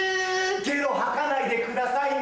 ゲロ吐かないでくださいね。